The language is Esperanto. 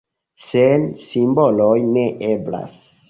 Sen simboloj ne eblas.